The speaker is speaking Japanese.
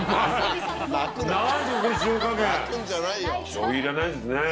しょうゆいらないですね。